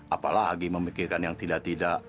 apalagi memikirkan yang tidak tidak